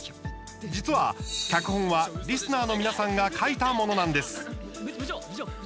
実は、脚本はリスナーの皆さんが書いたものなんです。